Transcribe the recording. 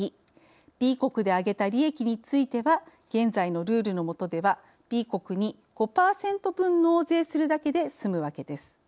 Ｂ国であげた利益については現在のルールのもとではＢ国に５％分納税するだけで済むわけです。